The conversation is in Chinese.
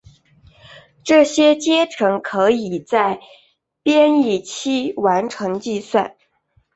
这些阶乘可以在编译期完成计算。